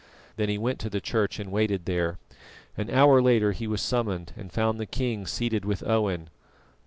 Then he went to the church and waited there. An hour later he was summoned, and found the king seated with Owen.